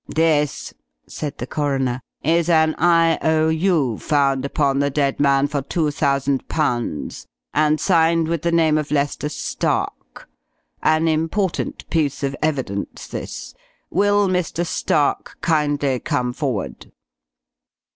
"This," said the coroner, "is an I.O.U. found upon the dead man, for two thousand pounds, and signed with the name of Lester Stark. An important piece of evidence, this. Will Mr. Stark kindly come forward?"